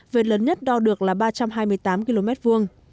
vệt lớn nhất đo được là ba trăm hai mươi tám km vuông